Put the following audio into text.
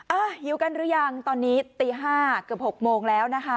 หิวกันหรือยังตอนนี้ตี๕เกือบ๖โมงแล้วนะคะ